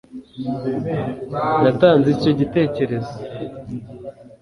natanze icyo gitekerezo